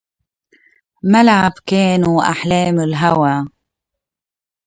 ملعب كان وأحلام الهوى